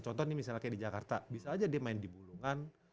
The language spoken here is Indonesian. contoh nih misalnya kayak di jakarta bisa aja dia main di bulungan